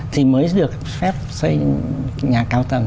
thì mới được xếp xây nhà cao tầng